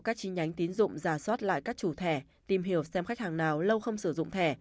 các chi nhánh tín dụng giả soát lại các chủ thẻ tìm hiểu xem khách hàng nào lâu không sử dụng thẻ